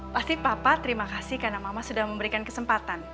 pasti papa terima kasih karena mama sudah memberikan kesempatan